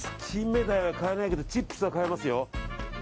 キンメダイは買えないけどチップスは買えますよ。